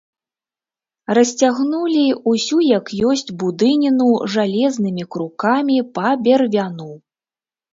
Расцягнулі ўсю як ёсць будыніну жалезнымі крукамі па бервяну.